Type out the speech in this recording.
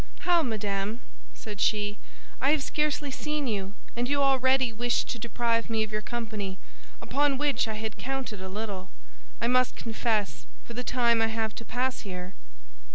"How, madame," said she, "I have scarcely seen you, and you already wish to deprive me of your company, upon which I had counted a little, I must confess, for the time I have to pass here?"